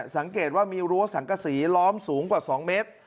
สังเกตว่ามีรั้วสังกษีล้อมสูงกว่า๒เมตร